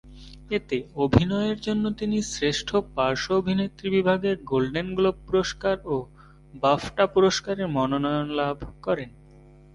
এতে অভিনয়ের জন্য তিনি শ্রেষ্ঠ পার্শ্ব অভিনেত্রী বিভাগে গোল্ডেন গ্লোব পুরস্কার ও বাফটা পুরস্কারের মনোনয়ন লাভ করেন।